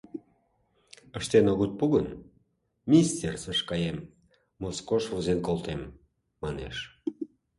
Ыштен огыт пу гын, министерствыш каем, Москош возен колтем, манеш.